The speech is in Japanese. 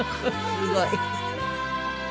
すごい。